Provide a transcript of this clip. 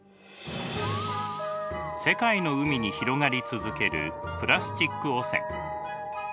世界の海に広がり続けるプラスチック汚染。